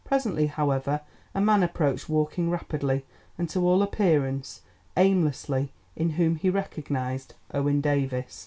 Presently, however, a man approached walking rapidly, and to all appearance aimlessly, in whom he recognised Owen Davies.